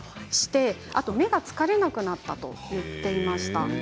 あと目が疲れなくなったと言っていました。